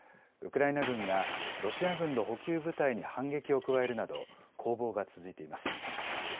ウクライナ軍がロシア軍の補給部隊に反撃を加えるなど攻防が続いています。